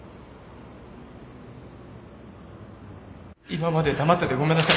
今まで黙っててごめんなさい